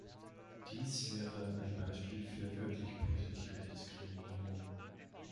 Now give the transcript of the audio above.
Dies wäre ein Beispiel für wirklich positive Diskriminierung.